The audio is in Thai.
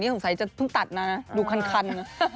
ผุดเล่น